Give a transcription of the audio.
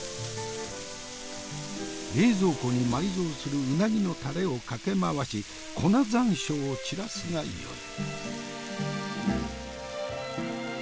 冷蔵庫に埋蔵するうなぎのタレをかけ回し粉山椒を散らすがよい。